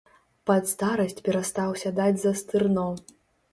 Пад старасць перастаў сядаць за стырно.